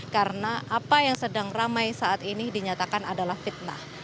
karena apa yang sedang ramai saat ini dinyatakan adalah fitnah